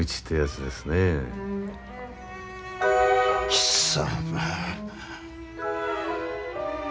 貴様。